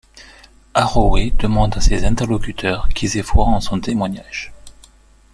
Arroway demande à ses interlocuteurs qu'ils aient foi en son témoignage.